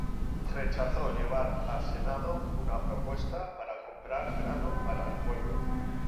Rechazó llevar al Senado una propuesta para comprar grano para el pueblo.